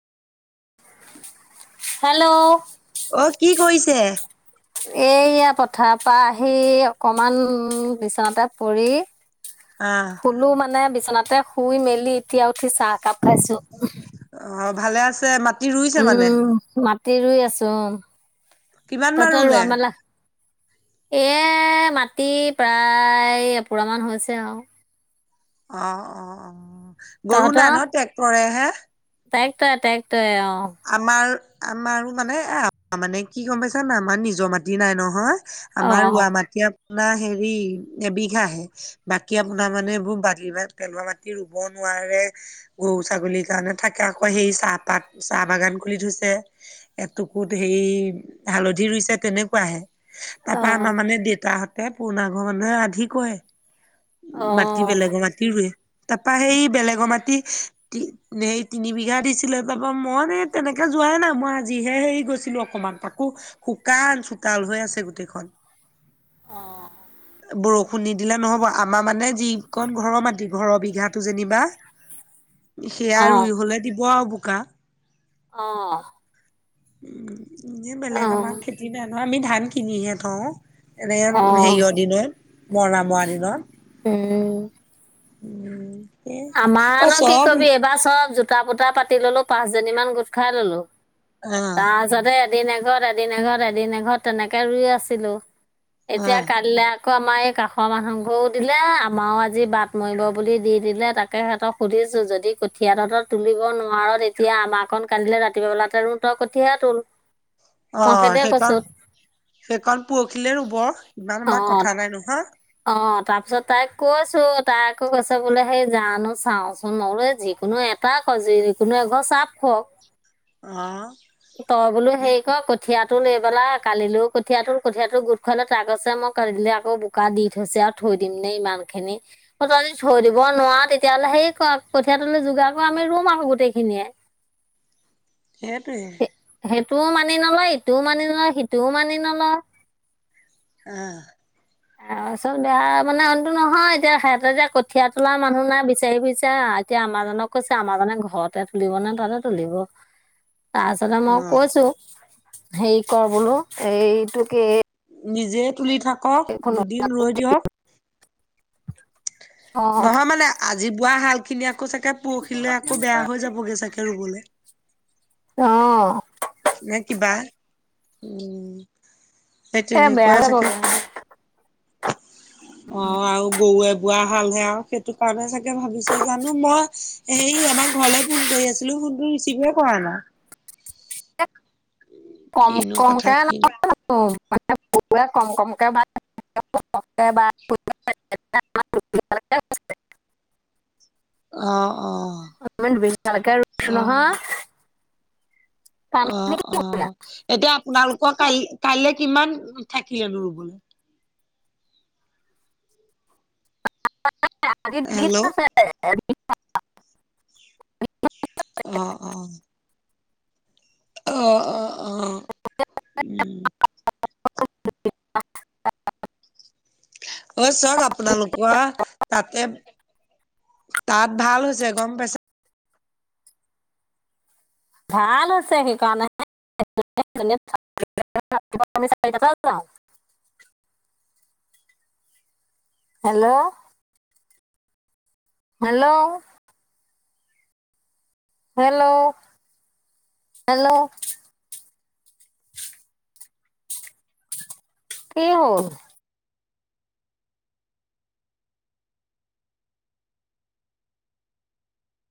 Hello, অ, কি কৰিছে? এইয়া পথাৰ পৰা আহি অকমান বিচনাতে পৰি অ'। শুলো মানে, বিচনাতে শুই মেলি এতিয়া উঠি চাহ কাপ খাইছোঁ। অ', ভালে আছে মাত উম, মাটি ৰুই আছো অ', কিমান মান তহঁতৰ ৰুলে ৰোৱা, মেলা এ মাটি প্ৰায় এপোৰা মান হৈছে আৰু। অ', অ', অ', গৰু নাই ন ট্ৰেক্টৰেহে টেক্টৰে, টেক্টৰে অ'। আমাৰ, আমাৰো মানে এ মানে কি গম পাইছা নাই, আমাৰ নিজৰ মাটি নাই নহয়। আমাৰ ৰোৱা অ মাত আপোনাৰ হেৰি এবিঘা হে। বাকী আপোনাৰ মানে এইবোৰ বাকি ভাগ পেলোৱা মাটি ৰুব নোৱাৰে, গৰু-ছাগলীৰ কাৰণে থাকে আকৌ সেই চাহপাত চাহ বাগান খুলি থৈছে। এটুকুৰত সেই হালধি ৰুইচে তেনেকুৱাহে। তাৰপৰা আমাৰ মানে দেউতাহঁতে পুৰণা ঘৰ মানুহে আধি কৰে অ অ মাটি বেলেগৰ মাটি। ৰুৱে তাৰপৰা, সেই বেলেগৰ মাটি সেই তিনি বিঘা দিছিলে মই তেনেকৈ যোৱাই নাই, মই আজিহে হেৰি গৈছিলোঁ অকণমান তাকো শুকান চোতাল হৈ আছে গোটেইখন। অ'। বৰষুণ নিদিলে নহ'ব, আমাৰ মানে যিকন ঘৰৰ মাটি, ঘৰৰ বিঘাটো যেনিবা সেয়া অ ৰুই হলে দিব আৰু বোকা। অ'। উম, এনেই অ বেলেগ আমাৰ খেতি নাই নহয়, আমি ধান কিনিহে থওঁ। এনেকে অ হেৰিয়ৰ দিনত মৰণা মৰা দিনত। উম উম। আমাৰনো কি কবি এইবাৰ চব জোতা-পোতা পাতি ললো পাঁচজনী মান গোট খাই ললো। অ', তাৰপিছতে এদিন এঘৰত, এদিন এঘৰত, এদিন এঘৰত তেনেকে ৰুই আছিলোঁ। এতিয়া অ', কাইলৈ আকৌ, আমাৰ এই কাষৰ মানুহ ঘৰেও দিলে, আমাৰো আজি বাট মৰিব বুলি দি দিলে তাকে সিহঁতক সুধিছো, যদি কঠিয়া তহঁতৰ তুলিব নোৱাৰ, তেতিয়া আমাৰ অকণ কাইলে ৰাতিপুৱা বেলাতে তই কঠিয়া তুল। [inaudible] অ', সেইকণ, সেইকণ পৰহিলে ৰুব, ইমান অ আমাৰ কথা নাই নহয়। অ', তাৰপিছত তাইক কৈছোঁ, তাই আকৌ কৈছে বোলে, হেই জানো চাওঁচোন। মই বোলোঁ যিকোনো এ তাক' যিকোনো এঘৰৰ চাপ হওঁক। [unintelligible] তই বোলো হেৰি কৰ ক কঠীয়াটোল এবেলা, কালিলৈও কঠীয়াটোল কঠীয়াটো গোট খুৱাই ল'। তাই কৈছে মই কাইলে আকৌ বোকা বোকা দি থৈছে আৰু, থৈ দিম নে ইমান খিনি। তই যদি থৈ দিব নোৱাৰ, তেতিয়াহ'লে হেইকৰ কঠিয়া তলি যোগাৰ কৰ, আমি ৰুম আকৌ গোটেইখিনিয়ে। সেইটোৱে। সেইটোও মানি নলয়, ইটোও মানি নলয়, সিটোও মানি নলয়। আহ। আৰু চোন বেয়া মানেটো নহয়, এতিয়া সিহঁতে যে কঠীয়া তোলা মানুহ নাই বিচাৰি ফুৰিছে। এতিয়া আমাৰাজনক কৈছে, আমাৰাজনে ঘৰতে তুলিব নে তাতে তুলিব। [inaudible] তাৰপিছতে মই অ', কৈছোঁ, হেৰি কৰ বোলো এইটো কি। নিজে তুলি থাকক, এইখন দুদিন ৰৈ দিয়ক। অ নহয় মানে আজি, বোৱা হাল খিনি আকৌ চাগে পৰহিলে আকৌ বেয়া হৈ যাব। ছাগে ৰুবলে। অ'। কিবা উম। সেই এ বেয়া তেনেকুৱা হৈ গ'ল চাগে, কিবা। অ', গৰু গৰুৱে বোৱা হালহে আৰু, সেইটো কাৰণে চাগে ভাবিছে জানো মই হেৰি আমাৰ ঘৰলৈ ফোন কৰি আছিলোঁ, ফোনটো ৰিচিভে কৰা নাই। কম কিনো কমক কথা ন। কিনো [unintelligible] মানেৰু কম কমকে বা। [unintelligible] [unintelligible] অ, অ, বাৰমান দুবিঘালৈকে ৰুইছো নহয় অ'। কাৰণ অ', অ ', এতিয়া আপোনালোকৰ কাই কাইলৈ কিমান থাকিলেনো ৰুবলৈ? হেল্ল'। [unintelligible] অ, অ'। অ, অ'। অঁ অঁ। অঐ চক, আপোনালোকৰ তাতে, তাত ভাল হৈছে গম পাইছে? ভাল হৈছে সেইকাৰণে, চাৰি যা। [unintelligible] হেল্ল'। হেল্ল'। Hello, hello. কি হল?